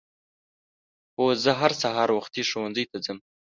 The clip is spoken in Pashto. هو زه هر سهار وختي ښؤونځي ته ځم.